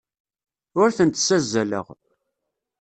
Ur tent-ssazzaleɣ.